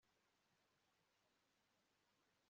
ari nayo mpamvu twari twananiwe kuhafungura